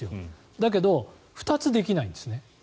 だけど、２つできないんですね。